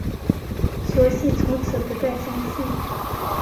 索性从此不再相信